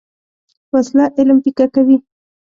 وسله علم پیکه کوي